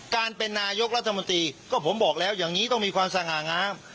การเป็นนายกรัฐมนตรีก็ผมบอกแล้วอย่างนี้ต้องมีความสง่างาม